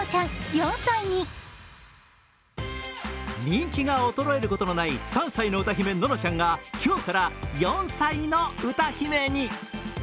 人気が衰えることのない３歳の歌姫・ののちゃんが今日から４歳の歌姫に。